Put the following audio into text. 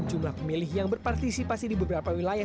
jumlah pemilih yang berpartisipasi di beberapa wilayah